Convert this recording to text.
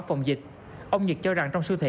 phòng dịch ông nhật cho rằng trong siêu thị